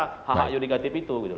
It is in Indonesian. hh yudikatif itu